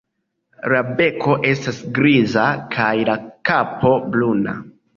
La beko esta griza kaj la kapo bruna.